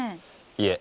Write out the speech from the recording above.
いえ。